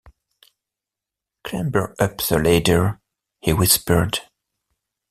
“Clamber up the ladder,” he whispered.